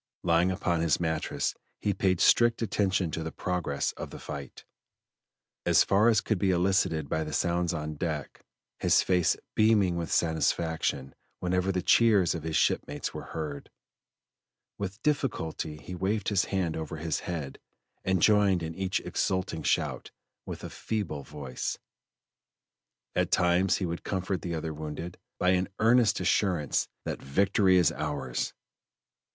Lying upon his mattress he paid strict attention to the progress of the fight, as far as could be elicited by the sounds on deck his face beaming with satisfaction whenever the cheers of his shipmates were heard; with difficulty he waved his hand over his head and joined in each exulting shout with a feeble voice. At times he would comfort the other wounded by an earnest assurance that "victory is ours!"